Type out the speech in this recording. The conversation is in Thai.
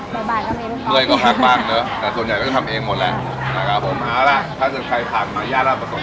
ทางศูนย์ธุรกิจต่างเจ้าดังเจ้าเก่าแก่งราชประสงค์นะครับร้านเทศรุนนีนะครับ